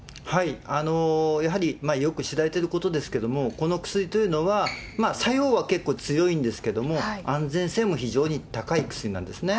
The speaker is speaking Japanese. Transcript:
やはりよく知られていることですけれども、この薬というのは、作用は結構強いんですけれども、安全性も非常に高い薬なんですね。